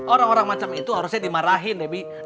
orang orang macam itu harusnya dimarahin debbie